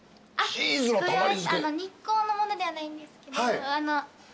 日光のものではないんですけど。